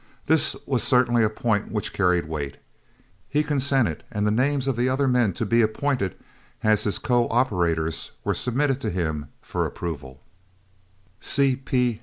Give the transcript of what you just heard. This was certainly a point which carried weight. He consented, and the names of the other men to be appointed as his co operators were submitted to him for approval: C.